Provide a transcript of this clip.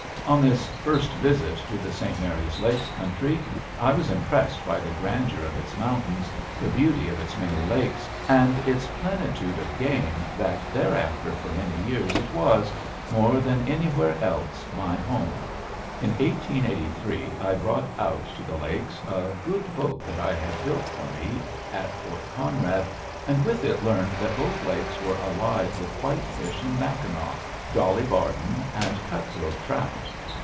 On this first visit to the St. Mary's Lakes country I was so impressed by the grandeur of its mountains, the beauty of its many lakes, and its plenitude of game, that thereafter for many years it was, more than anywhere else, my home. In 1883 I brought out to the lakes a good boat that I had had built for me at Fort Conrad, and with it learned that both lakes were alive with whitefish and Mackinaw, Dolly Varden, and cutthroat trout.